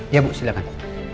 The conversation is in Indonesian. iya bu silahkan